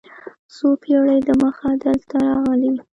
څو پېړۍ دمخه دلته راغلي.